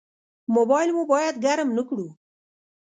موبایل مو باید ګرم نه کړو.